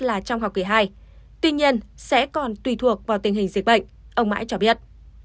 tuy nhiên sẽ còn tùy thuộc vào tình hình dịch bệnh ông mãi cho biết